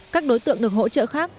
các đối tượng được hỗ trợ khác